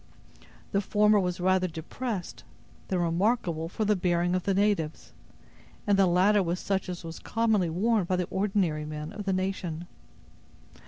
The former was rather depressed, than remarkable for the bearing of the natives; and the latter was such as was commonly worn by the ordinary men of the nation.